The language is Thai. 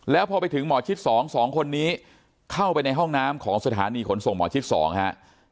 แล้วพอไปถึงหมอชิด๒๒คนนี้เข้าไปในห้องน้ำของสถานีขนส่งหมอชิด๒ฮะ